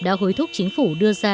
đã hối thúc chính phủ đưa ra